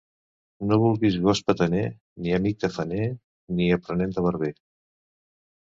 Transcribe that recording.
No vulguis gos petaner, ni amic tafaner, ni aprenent de barber.